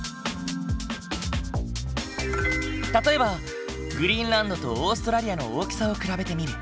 例えばグリーンランドとオーストラリアの大きさを比べてみる。